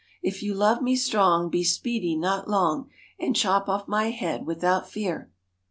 If you love me strong, be speedy, not long, And chop off my head without fear.'